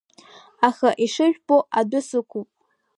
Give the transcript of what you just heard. Аха, ишыжәбо, адәы сықәуп.